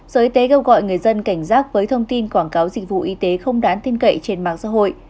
sở y tế kêu gọi người dân cảnh giác với thông tin quảng cáo dịch vụ y tế không đáng tin cậy trên mạng xã hội